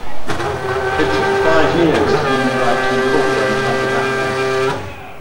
It took five years to win the right to incorporate under that name.